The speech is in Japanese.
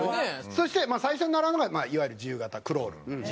そして最初に習うのがいわゆる自由形クロール。